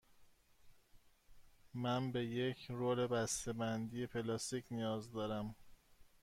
من به یک رول بسته بندی پلاستیکی نیاز دارم.